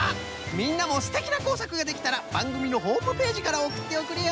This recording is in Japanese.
みんなもすてきなこうさくができたらばんぐみのホームページからおくっておくれよ。